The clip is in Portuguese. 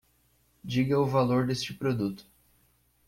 Diga o valor deste produto.